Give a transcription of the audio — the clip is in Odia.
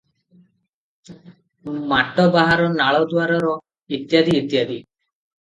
ମାଟ ବାହାର ନାଳ ଦୁଆରର - ଇତ୍ୟାଦି, ଇତ୍ୟାଦି ।